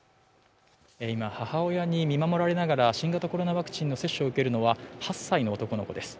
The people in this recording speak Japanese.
今、母親に見守られながら新型コロナワクチンの接種を受けるのは８歳の男の子です。